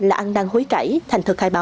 là ăn đăng hối cãi thành thật khai báo